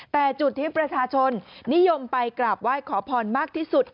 แต่จุดที่ประชาชนนิยมไปกราบไหว้ขอพรมากที่สุด